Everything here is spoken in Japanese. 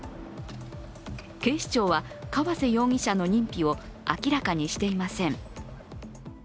警視庁は川瀬容疑者の認否を明らかにしていません。